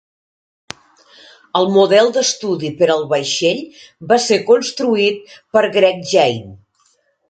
El model d'estudi per al vaixell va ser construït per Greg Jein.